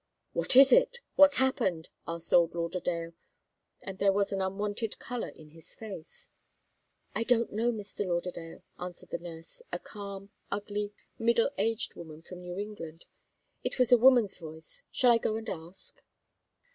"What is it? What's happened?" asked old Lauderdale, and there was an unwonted colour in his face. "I don't know, Mr. Lauderdale," answered the nurse, a calm, ugly, middle aged woman from New England. "It was a woman's voice. Shall I go and ask?"